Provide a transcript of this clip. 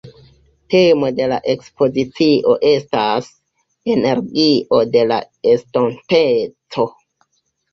Temo de la ekspozicio estas «Energio de la Estonteco».